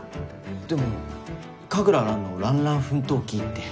でも「神楽蘭のランラン奮闘記」って。